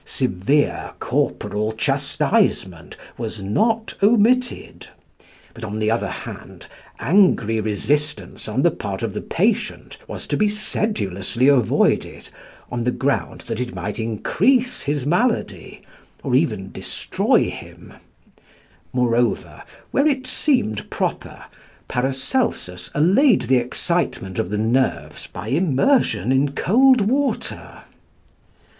Severe corporal chastisement was not omitted; but, on the other hand, angry resistance on the part of the patient was to be sedulously avoided, on the ground that it might increase his malady, or even destroy him: moreover, where it seemed proper, Paracelsus allayed the excitement of the nerves by immersion in cold water.